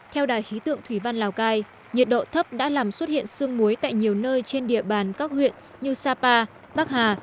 theo đài khí tượng thủy văn lào cai nhiệt độ thấp đã làm xuất hiện sương muối tại nhiều nơi trên địa bàn các huyện như sapa bắc hà